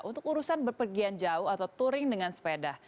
untuk urusan berpergian jauh atau touring dengan sepeda